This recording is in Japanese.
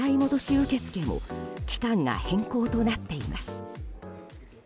受け付けも期間が変更となっています。